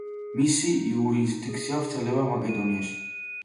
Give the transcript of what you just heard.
მისი იურისდიქცია ვრცელდება მაკედონიაში.